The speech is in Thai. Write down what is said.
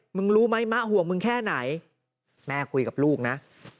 มึงรู้ไหมมะห่วงมึงแค่ไหนแม่คุยกับลูกนะ